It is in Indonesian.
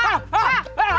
pedes hah hah hah